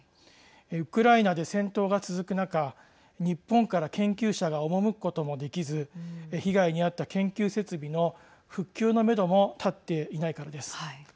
ウクライナで戦闘が続く中日本から研究者が赴くこともできず被害に遭った研究設備の復旧のめども立っていないからです。